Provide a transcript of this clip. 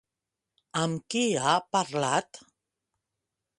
Amb qui ha parlat?